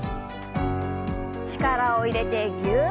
力を入れてぎゅっ。